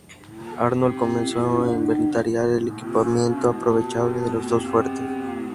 Arnold comenzó a inventariar el equipamiento aprovechable de los dos fuertes.